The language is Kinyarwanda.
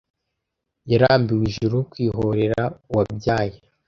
Yarambiwe Ijuru kwihorera - uwabyaye